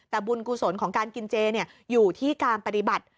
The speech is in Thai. แต่บุญกุศลของการกินเจอยู่ที่การปฏิบัติ